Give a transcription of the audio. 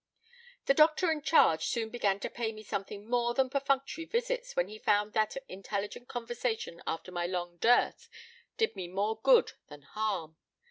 "The doctor in charge soon began to pay me something more than perfunctory visits when he found that intelligent conversation after my long dearth did me more good than harm.